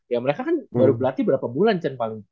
ya mereka kan baru berlatih berapa bulan cen paling